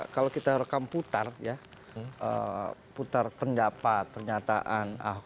kalau kita rekam putar ya putar pendapat pernyataan ahok